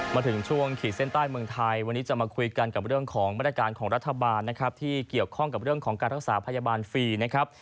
มาถึงช่วงขีดเส้นใต้เมืองไทยวันนี้จะมาคุยกันกับเรื่องของมาตรการของรัฐบาลนะครับที่เกี่ยวข้องกับเรื่องของการรักษาพยาบาลฟรีนะครับ